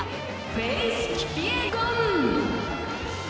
フェイス・キピエゴン。